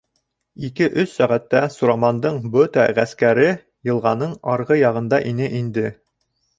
Ике-өс сәғәттә Сурамандың ботә ғәскәре йылғаның арғы яғында ине инде.